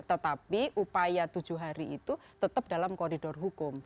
tetapi upaya tujuh hari itu tetap dalam koridor hukum